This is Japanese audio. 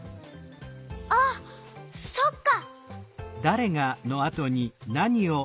あっそっか！